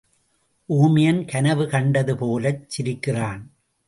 ஊமையன் கனவு கண்டது போலச் சிரிக்கிறான்.